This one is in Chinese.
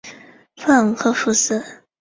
布朗克福塞。